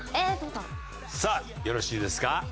さあよろしいですか？